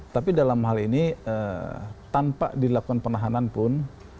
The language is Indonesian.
tapi dalam hal ini tanpa dilakukan penahanan pun